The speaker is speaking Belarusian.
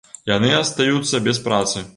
Яны астаюцца без працы.